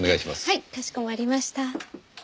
はいかしこまりました。